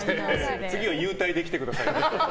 次は幽体で来てください。